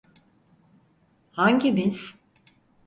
Hangimiz?